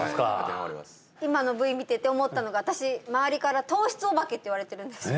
今のＶ見てて思ったのが私周りから糖質お化けって言われてるんですよ